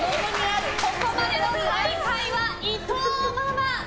ここまでの最下位は伊藤ママ。